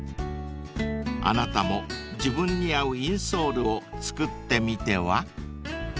［あなたも自分に合うインソールを作ってみては］